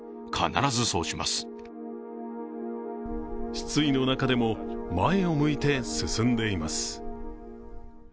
失意の中でも前を向いて進んでいます。